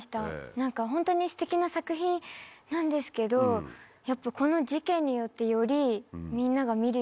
何かホントにすてきな作品なんですけどやっぱこの事件によってよりみんなが見るようになって。